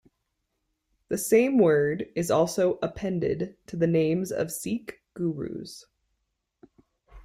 The same word is also appended to the names of Sikh gurus.